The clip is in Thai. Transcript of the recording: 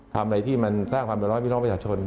ทำอะไรที่มันสร้างความเดือดร้อนพี่น้องประชาชน